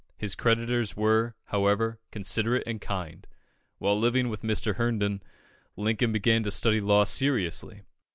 His creditors were, however, considerate and kind. While living with Mr. Herndon, Lincoln began to study law seriously.